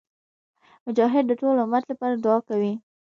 مجاهد د ټول امت لپاره دعا کوي.